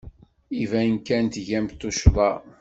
Iban kan tgamt tuccḍa.